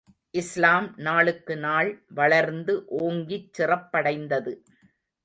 இஸ்லாம் நாளுக்கு நாள் வளர்ந்து ஓங்கிச் சிறப்படைந்தது.